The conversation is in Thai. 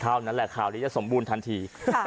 เท่านั้นแหละข่าวนี้จะสมบูรณ์ทันที